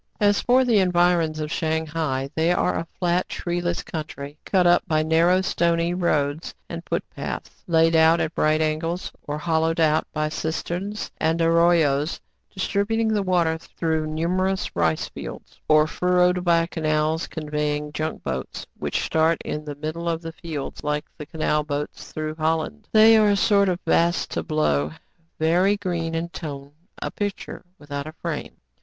As for the environs of Shang hai, they are a flat, treeless country, cut up by narrow, stony roads and footpaths, laid out at right angles, or hollowed out by cisterns and " arroyos " distributing the water through numerous rice fields, or furrowed by canals conveying junk boats, which start in the middle of the fields, like the canal boats through Holland. They are a sort of vast tableau, very green in tone, a picture without a frame.